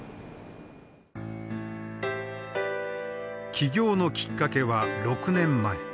起業のきっかけは６年前。